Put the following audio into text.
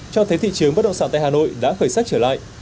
cho thấy thị trường bất động sản tại hà nội đã khởi sắc trở lại